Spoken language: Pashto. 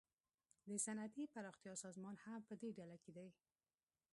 د صنعتي پراختیا سازمان هم پدې ډله کې دی